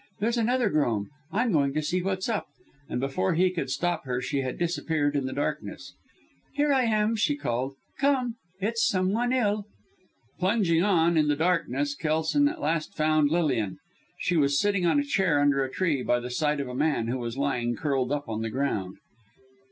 There's another groan. I'm going to see what's up," and before he could stop her she had disappeared in the darkness. "Here I am," she called; "come, it's some one ill." Plunging on, in the darkness, Kelson at last found Lilian. She was sitting on a chair under a tree, by the side of a man, who was lying, curled up, on the ground.